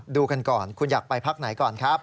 ดูกันก่อนคุณอยากไปพักไหนก่อนครับ